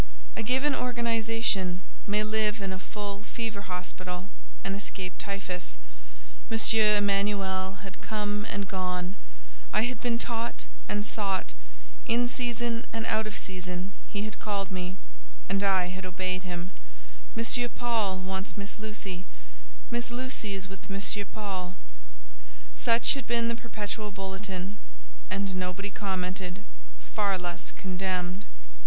A given organization may live in a full fever hospital, and escape typhus. M. Emanuel had come and gone: I had been taught and sought; in season and out of season he had called me, and I had obeyed him: "M. Paul wants Miss Lucy"—"Miss Lucy is with M. Paul"—such had been the perpetual bulletin; and nobody commented, far less condemned.